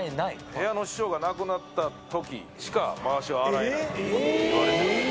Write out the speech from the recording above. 部屋の師匠が亡くなったときしか、まわしは洗えないといわれ